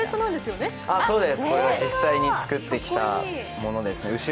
これは実際に作ってきたものですね。